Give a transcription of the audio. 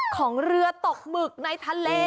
ของเรือตกหมึกในทะเล